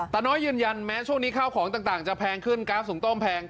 น้อยยืนยันแม้ช่วงนี้ข้าวของต่างจะแพงขึ้นก๊าซสูงต้มแพง